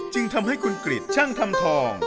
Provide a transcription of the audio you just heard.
จึงทำให้คุณกฤทธิ์ช่างธรรมทอง